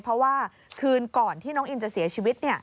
เพราะว่าคืนก่อนที่น้องอินจะเสียชีวิต